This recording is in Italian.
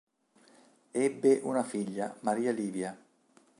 Ebbe una figlia, Maria Livia.